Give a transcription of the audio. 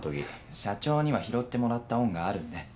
社長には拾ってもらった恩があるんで。